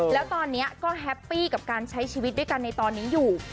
แล้วตอนนี้ก็แฮปปี้กับการใช้ชีวิตด้วยกันในตอนนี้อยู่